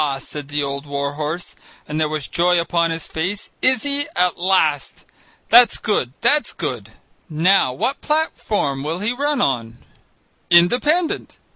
said the old war horse, and there was joy upon his face, "is he? At last! That's good, that's good now what platform will he run on?" "Independent."